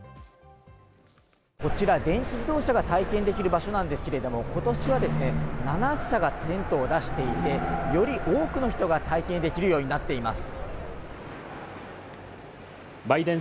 こちら電気自動車が体験できる場所なんですけれども、ことしはですね、７社がテントを出しているように多くの人が体験できるようになっています。